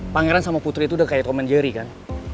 pangeran sama putri itu udah kayak comman jerry kan